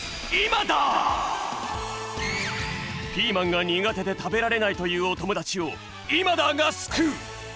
ピーマンが苦手で食べられないというおともだちをイマダーがすくう！